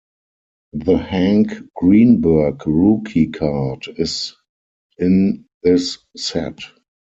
The Hank Greenberg rookie card is in this set.